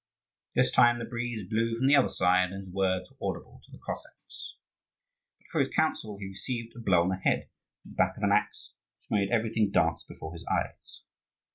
This time the breeze blew from the other side, and his words were audible to the Cossacks. But for this counsel he received a blow on the head with the back of an axe, which made everything dance before his eyes.